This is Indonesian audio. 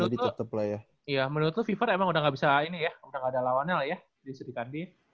tapi menurut lu viver emang udah gak bisa ini ya udah gak ada lawannya lah ya di sri kandi